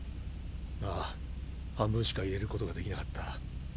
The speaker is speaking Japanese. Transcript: あぁ半分しか入れることができなかった。